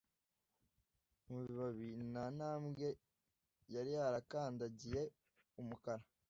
mu bibabi nta ntambwe yari yarakandagiye umukara.